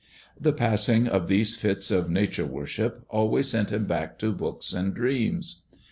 The passing of these fits of Nature worship always sent him back to books and dreams.